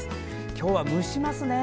今日は蒸しますね。